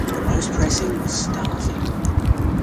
The most pressing was staffing.